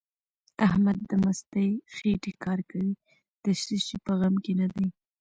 احمد د مستې خېټې کار کوي؛ د څه شي په غم کې نه دی.